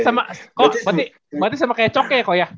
sama kok berarti sama kayak coke kok ya